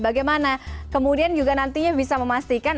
bagaimana kemudian juga nantinya bisa memastikan